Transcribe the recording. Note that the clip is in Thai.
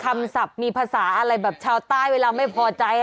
มีภาษาชาวใต้ที่ไม่พอใจ